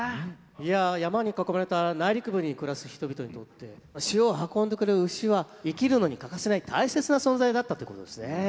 いや山に囲まれた内陸部に暮らす人々にとって塩を運んでくれる牛は生きるのに欠かせない大切な存在だったということですね。